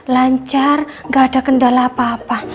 lancar gak ada kendala apa apa